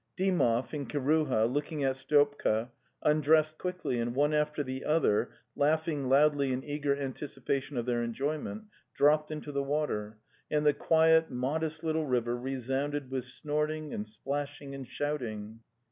Dymov and Kiruha, looking at Styopka, undressed quickly and one after the other, laughing loudly in eager anticipation of their enjoyment, dropped into the water, and the quiet, modest little river resounded with snorting and splashing and shouting.